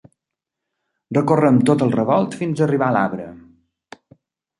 Recorrem tot el revolt fins a arribar a l'arbre.